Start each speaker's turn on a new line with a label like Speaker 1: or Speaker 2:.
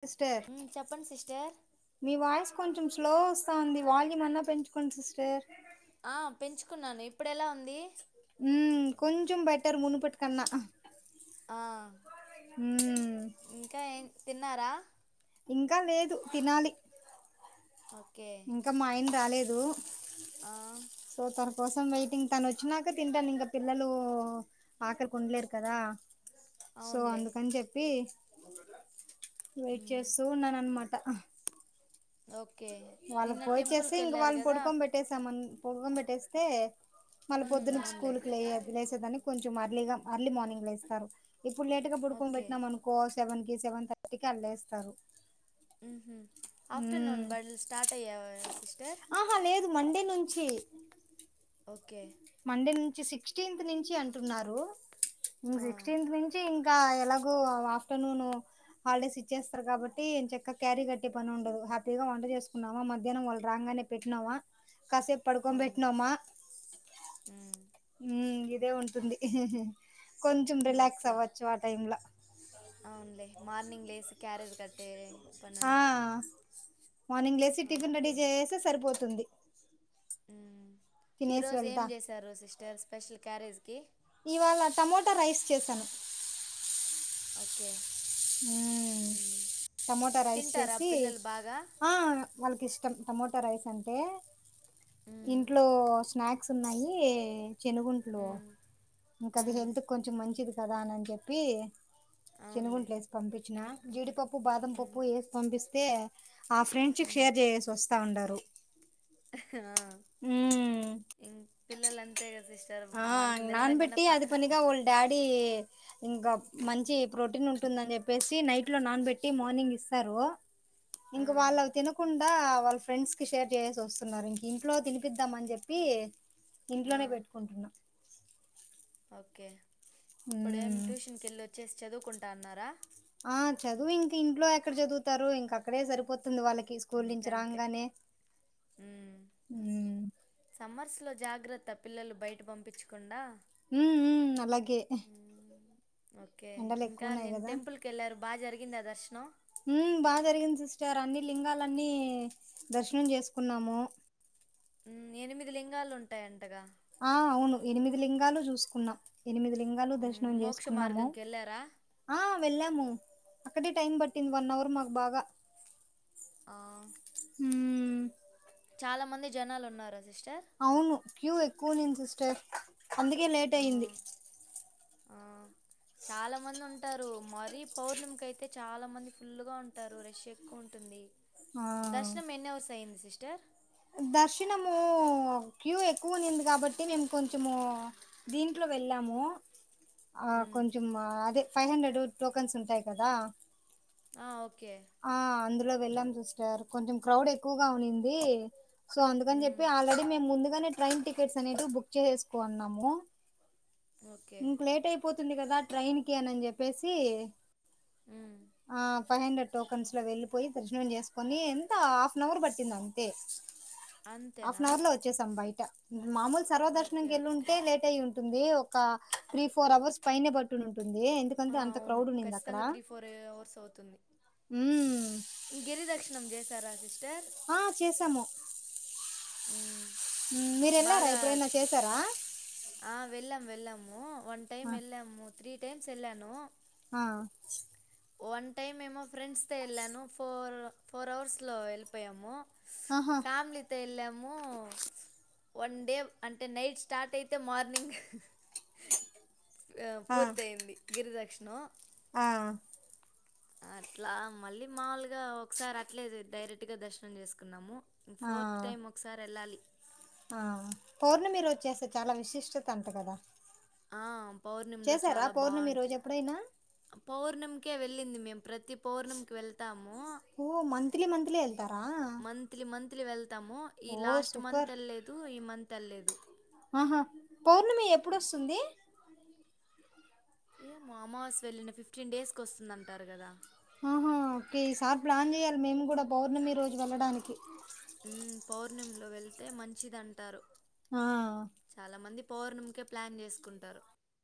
Speaker 1: Sister
Speaker 2: మ్మ్ చెప్పండి sister
Speaker 1: మీ వాయిస్ కొంచెం స్లో వస్తా ఉంది వాల్యూమ్ అన్నా పెంచుకోండి సిస్టర్
Speaker 2: ఆ పెంచుకున్నాను ఇప్పుడు ఎలా ఉంది
Speaker 1: ర్ మును పెట్టు కన్నా
Speaker 2: ఆ
Speaker 1: మ్మ్
Speaker 2: ఇంకా ఏం తిన్నారా
Speaker 1: ఇంకా లేదు తినాలి
Speaker 2: ఓకే
Speaker 1: ఇంకా మా అయన రాలేదు
Speaker 2: ఆ
Speaker 1: సో తన కోసం వెయిటింగ్ తను వచ్చినాక తింటాను ఇంకా పిల్లలు ఆకలికి ఉండలేరు కదా సో
Speaker 2: అవునులే
Speaker 1: అందుకని చెప్పి వెయిట్
Speaker 2: మ్మ్
Speaker 1: చేస్తూ ఉన్నాను అన్నమాట
Speaker 2: ఓకే
Speaker 1: వాళ్ళ
Speaker 2: నిన్న
Speaker 1: పోయి చేేస్తే
Speaker 2: టెంపుల్కి
Speaker 1: ఇంక
Speaker 2: వెళ్ళారు
Speaker 1: వాళ్ళని
Speaker 2: కదా
Speaker 1: పడుకొ పెట్టేసామని పడుకొ పెట్టేస్తే మళ్ళ
Speaker 2: మ్మ్
Speaker 1: పొద్దున
Speaker 2: అవునులే
Speaker 1: స్కూల్ లే లేసేదాని కొంచెం అర్లీగా అర్లీ మార్నింగ్ లేస్తారు ఇప్పుడు లేట్గా పుడుకొని
Speaker 2: ఓకే
Speaker 1: పెట్నాం అనుకో సెవెన్ కి సెవెన్ థర్టీ కి అల్లేేస్తారు
Speaker 2: ఉమ్ హు ఆఫ్టర్నూన్ బడులు స్టార్ట్ అయ్యావా సిస్టర్
Speaker 1: ఆహా లేదు మండే నుంచి
Speaker 2: ఓకే
Speaker 1: సండే నుంచి సిక్స్టెన్త్ నుంచి అంటున్నారు ఇంగ
Speaker 2: ఆ
Speaker 1: సిక్స్టెన్త్ నుంచి ఇంకా ఎలాగో ఆఫ్టర్నూన్ హాలిడేస్ ఇచ్చేస్తారు కాబట్టి ఎంచక్క క్యారీ కట్టే పని ఉండదు హ్యాపీగా వంట చేసుకున్నావా మధ్యాహ్నం వాళ్ళు రాంగానే పెట్టినావా కసేపు పడుకోన్
Speaker 2: అవును
Speaker 1: పెట్నమా
Speaker 2: మ్మ్
Speaker 1: మ్ ఇదే ఉంటుంది కొంచెం రిలాక్స్
Speaker 2: ఓకే
Speaker 1: అవ్వచ్చు ఆ టైమ్ లో
Speaker 2: అవునులే మార్నింగ్ లేసి క్యారేజ్ కట్టే పని
Speaker 1: ఆ
Speaker 2: ఉండదు
Speaker 1: మార్నింగ్ లేసి టిఫిన్ రెడీ
Speaker 2: ఓకే
Speaker 1: చేసేస్తే సరిపోతుంది
Speaker 2: మ్ ఈ
Speaker 1: తినేసి
Speaker 2: రోజు ఏం
Speaker 1: వెళ్తా
Speaker 2: చేశారు సిస్టర్ స్పెషల్ క్యారేజ్కి
Speaker 1: ఇవాళ టమోటా రైస్ చేశాను
Speaker 2: ఓకే
Speaker 1: మ్
Speaker 2: మ్మ్
Speaker 1: టమోటా రైస్
Speaker 2: తింటారా
Speaker 1: చేసి
Speaker 2: పిల్లలు బాగా
Speaker 1: ఆ వాళ్ళకి ఇష్టం టమోటా రైస్ అంటే
Speaker 2: మ్మ్
Speaker 1: ఇంట్లో స్నాక్ క్స్ ఉన్నాయి చనుగుంట్లు
Speaker 2: మ్మ్
Speaker 1: ఇంకది
Speaker 2: మ్మ్
Speaker 1: హెల్త్కి కొంచం మంచిది కదా అనని చెప్పి
Speaker 2: అవునులే
Speaker 1: చన్నగుంట్లే పంపించిన జీడిపప్పు బాదం
Speaker 2: మ్మ్
Speaker 1: పప్పు ఏసి పంపిస్తే ఆ ఫ్రెండ్స్కి
Speaker 2: మ్మ్
Speaker 1: షేర్ చేసేసి వస్ వస్తా ఉండారు
Speaker 2: ఆ
Speaker 1: మ్మ్
Speaker 2: ఇం పిల్లలంతే కదా సిస్
Speaker 1: ఆ నాన్ బెట్టి అదే పనిగా వాళ్ళ డాడీ ఇంకా మంచి ప్రోటీన్ ఉంటుందని చెప్పేసి నైట్ లో నానబెట్టి మార్నింగ్ ఇస్తారు
Speaker 2: ఆ
Speaker 1: ఇంక వాళ్ళవి తినకుం వాళ్ళ ఫ్రెండ్స్ కి షేర్ చేయేసి వస్తున్నారు ఇంక ఇంట్లో తినిపిద్దాం అని చెప్పి
Speaker 2: ఆ
Speaker 1: ఇంట్లోనే పెట్
Speaker 2: ఓకే ఇప్పుడు ఏం
Speaker 1: మ్మ్
Speaker 2: ట్యూషన్కి వెళ్ళి వచ్చేసి చదువుకుంటాన్నారా
Speaker 1: ఆ చదువు ఇంక ఇంట్లో ఎక్కడ చదువుతారు ఇంక అక్కడే సరిపోత తుంది వాళ్ళకి స్కూల్ నుంచి
Speaker 2: ఇంకంతే
Speaker 1: రాగానే
Speaker 2: మ్మ్ సమ్మర్స్లో జాగ్రత్త పిల్లలు బయట పంపించకుండా
Speaker 1: మ్ మ్ అలాగే
Speaker 2: ఓకే
Speaker 1: ఎండలు ఎక్కువ
Speaker 2: ఇంకా
Speaker 1: ఉన్నాయి
Speaker 2: నిన్న టెంపుల్ కి వెళ్ళారు బాగా జరిగిందా దర్శనం
Speaker 1: మ్ బాగా జరిగింది సిస్టర్ అన్ని లింగాలన్నీ దర్శనం చేసుకున్నాము
Speaker 2: ఎనిమిది లింగాలు ఉంటాయ్ అంటగా
Speaker 1: ఆ అవును ఎనిమిది లింగాలు చూసుకున్నాం ఎనిమిది లింగాలు
Speaker 2: మ్మ్,
Speaker 1: దర్శనం
Speaker 2: మోక్ష
Speaker 1: చేసుకున్నాము
Speaker 2: మార్గంకి వెళ్ళారా
Speaker 1: ఆ వెళ్ళాము అక్కడే టైం పట్టింది వన్ అవర్ మాకు బాగా
Speaker 2: ఆ
Speaker 1: ఉమ్
Speaker 2: చాలా మంది జనాలు ఉన్నారా సిస్
Speaker 1: అవును క్యూ ఎక్కువ ఉన్నింది సిస్టర్ అందుకే లేట్
Speaker 2: ఆ,
Speaker 1: అయింది
Speaker 2: ఆ, చాలా మంది ఉంటారు మరీ పౌర్ణమిికయితే చాలా మంది ఫుల్ గా ఉంటారు రష్ ఎక్కువ ఉంటుంది
Speaker 1: ఆ
Speaker 2: దర్శనం ఎన్ని అవర్స్ అయింది సిస్టర్
Speaker 1: దర్శనము క్యూ ఎక్కువ ఉనింది కాబట్టి మేము కొంచెము దీంట్లో వెళ్ళాము
Speaker 2: మ్మ్.
Speaker 1: కొంచెం అదే ఫైవ్ హండ్రెడ్ టోకెన్స్ ఉంటాయి కదా
Speaker 2: ఆ ఓ
Speaker 1: ఆ అందులో వెళ్ళాం సిస్టర్ కొంచెం క్రౌడ్ ఎక్కువగా ఉనింది సో అందుకని
Speaker 2: మ్మ్,
Speaker 1: చెప్పి ఆల్రెడీ మేం ముందుగానే ట్రైన్ టికెట్స్ అనేటివి బుక్ చేసేసుకున్నాము
Speaker 2: ఓకే
Speaker 1: ఇంక లేట్ అయిపోతుంది కదా ట్రైన్ కి అనని చెప్పేసి
Speaker 2: మ్మ్.
Speaker 1: ఆ ఫైవ్ హండ్రెడ్ టోకన్స్ లో వెళ్లిపోయి దర్శనం చేసుకొని ఎంత హాఫ్ అన్ అవర్ పట్టింది అంతే హాఫ్
Speaker 2: అంతేనా
Speaker 1: అన్ అవర్ లో వచ్చేసాం బయట మామూలు
Speaker 2: ఓకే
Speaker 1: సర్వదర్శనంనికి వెళ్లి
Speaker 2: ఓకే
Speaker 1: ఉంటే లేట్ అయి ఉం ంది ఒక త్రీ ఫోర్ అవర్స్ పైైన పట్టు ఉం టుంది
Speaker 2: ఆ!
Speaker 1: ఎందుకంటే అంత
Speaker 2: అవును.
Speaker 1: క్రౌడ్ ఉండింది అక్కడ
Speaker 2: ఖచ్చితంగా అవర్స్ అవుతుంది.
Speaker 1: హుం
Speaker 2: గిరిదక్షిణం చేశారా సిిస్
Speaker 1: ఆ చేసాము
Speaker 2: హ్మ్.
Speaker 1: మీరు వెళ్ళారా
Speaker 2: బాగా
Speaker 1: ఎప్పుడైనా చేసారా
Speaker 2: ఆ వెళ్ళాము వెళ్ళాము వన్
Speaker 1: ఆ
Speaker 2: టైమ్ వెళ్ళాము త్రీ టైమ్స్ వెళ్ళాను
Speaker 1: ఆ
Speaker 2: వన్ టైమ్ ఏమో ఫ్రెండ్స్ తొ వెళ్ళాను ఫోర్ ఫోర్ అవర్స్ లో వెళ్ళిపోయాము
Speaker 1: ఆహా
Speaker 2: ఫేమిలీతో ఎళ్ళము వన్ డే అంటే నైట్ స్టార్ట్ అయితే మార్నింగ్
Speaker 1: ఆ
Speaker 2: పూర్తయింది గిరిదక్షిను
Speaker 1: ఆ
Speaker 2: అట్లా మళ్ళీ మాముూలుగా ఒకసారి అట్లే డైరెక్ట్ గా దర్శనం చేసుకున్నాము
Speaker 1: ఆ
Speaker 2: ఫోర్త్ టైమ్ ఒకసారి వెళ్ళాలి
Speaker 1: ఆ పౌర్ణమి రోజు చేస్తే చాలా విశిష్టత అంట కదా
Speaker 2: ఆ పౌర్ణమిలో
Speaker 1: చేశారా
Speaker 2: చాలా
Speaker 1: పౌర్ణమి రోజు
Speaker 2: బాగుంటుంది
Speaker 1: ఎప్పుడైనా
Speaker 2: పౌర్ణమికే వెళ్ళింది మేము ప్రతి పౌర్ణమికి వెళ్తాము
Speaker 1: ఓ మంత్లీ మంత్లీ వెళ్తారా
Speaker 2: మంత్లీ మంత్లీ వెళ్తాము ఈ
Speaker 1: ఓ
Speaker 2: లాస్ట్
Speaker 1: సూపర్
Speaker 2: మంత్ వెళ్లేదు ఈ మంత్ వెళ్లేదు
Speaker 1: ఆహా పౌర్ణమి ఎప్పుడుొస్తుంది
Speaker 2: ఏమొ అమావాస్య వెళ్ళిన ఫిఫ్టీన్ డేస్ కి వస్తుందంటారు కదా
Speaker 1: ఆహా ఓకే ఈసారి ప్లాన్ చేయాలి మేము కూడా పౌర్ణమి రోజు వెళ్ళడానికి
Speaker 2: హు పౌర్ణమి లో వెళ్తే మంచిదింటారు
Speaker 1: ఆ
Speaker 2: చాలా మంది పౌర్ణమీకే ప్లాన్ చేసుకుంటారు